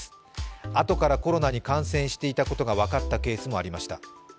あとからコロナに感染していたことが分かったケースもありました。